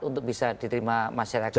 untuk bisa diterima masyarakat